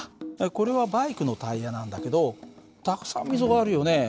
これはバイクのタイヤなんだけどたくさん溝があるよね。